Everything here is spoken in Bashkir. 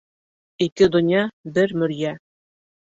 Ике донъя, бер мөрйә.